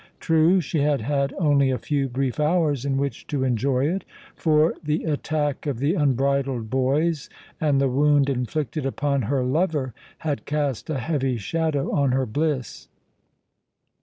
True, she had had only a few brief hours in which to enjoy it, for the attack of the unbridled boys and the wound inflicted upon her lover had cast a heavy shadow on her bliss.